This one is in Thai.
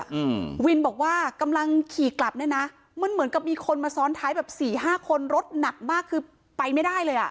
อืมวินบอกว่ากำลังขี่กลับเนี้ยนะมันเหมือนกับมีคนมาซ้อนท้ายแบบสี่ห้าคนรถหนักมากคือไปไม่ได้เลยอ่ะ